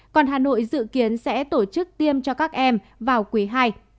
còn hà nội dự kiến sẽ tổ chức tiêm cho các em vào quý ii